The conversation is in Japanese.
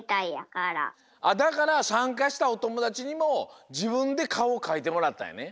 だからさんかしたおともだちにもじぶんでかおをかいてもらったんやね。